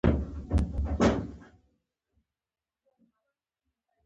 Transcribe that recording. په سرو سترګو دي وزم له پیمانه که راځې